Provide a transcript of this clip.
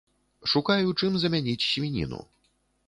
Шукаю, чым замяніць свініну.